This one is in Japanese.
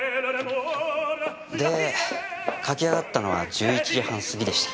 で書き上がったのは１１時半過ぎでした。